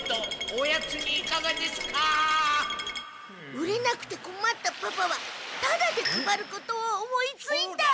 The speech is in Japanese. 売れなくてこまったパパはタダで配ることを思いついた。